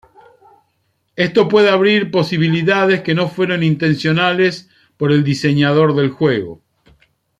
Esto puede abrir posibilidades que no fueron intencionales por el diseñador del juego.